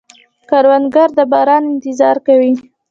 کروندګر د باران انتظار کوي